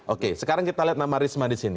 oke sekarang kita lihat nama risma di sini